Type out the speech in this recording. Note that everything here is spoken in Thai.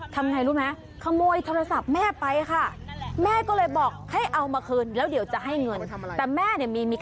ถามแม่บอกเห็นอย่างนี้